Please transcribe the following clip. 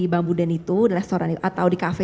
bambu den itu restoran itu atau di kafe